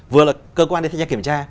vừa là cơ quan để thay cho kiểm tra